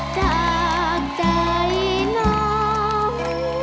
จากใจน้อง